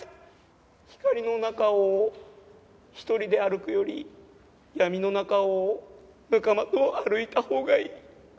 ．．．光の中を一人で歩くより闇の中を仲間と歩いたほうがいい。